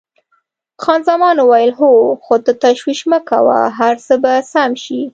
خان زمان وویل: هو، خو ته تشویش مه کوه، هر څه به سم شي.